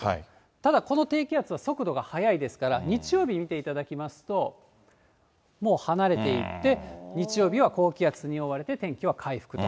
ただ、この低気圧は速度が速いですから、日曜日見ていただきますと、もう離れていって、日曜日は高気圧に覆われて、天気は回復と。